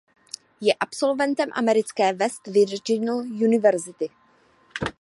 Je absolventem americké West Virginia University.